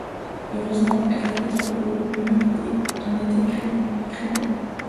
Heureusement, elles tapaient trop haut, le mur en était criblé.